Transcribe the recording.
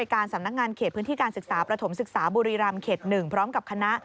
การศึกษาประถมศึกษาบุรีรำเข็ด๑พร้อมกับคณะ